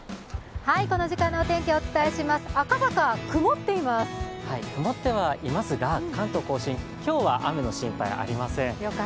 この時間のお天気、お伝えします曇ってはいますが関東甲信、今日は雨の心配ありません。